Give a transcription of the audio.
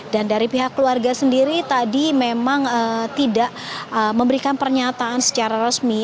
dan dari pihak keluarga sendiri tadi memang tidak memberikan pernyataan secara resmi